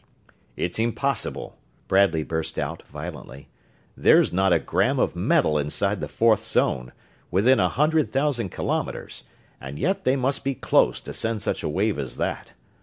"It's impossible!" Bradley burst out, violently. "There's not a gram of metal inside the fourth zone within a hundred thousand kilometers and yet they must be close to send such a wave as that.